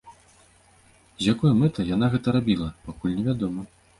З якой мэтай яна гэта рабіла, пакуль невядома.